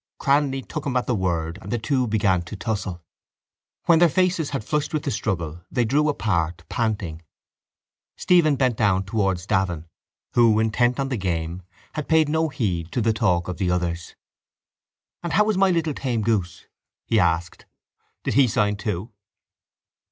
Cranly took him at the word and the two began to tussle. When their faces had flushed with the struggle they drew apart, panting. Stephen bent down towards Davin who, intent on the game, had paid no heed to the talk of the others. —And how is my little tame goose? he asked. Did he sign, too?